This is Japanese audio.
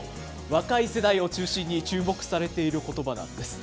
若い世代を中心に、注目されていることばなんです。